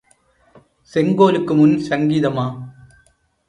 செங்கோலுக்கு முன் சங்கீதமா?